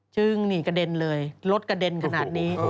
จึงนี่กระเด็นเลยรถกระเด็นขนาดนี้